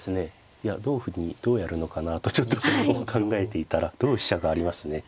いや同歩にどうやるのかなとちょっと考えていたら同飛車がありますね。